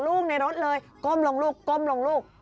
ลูกในรถเลยก้มลงลูกก้มลงลูก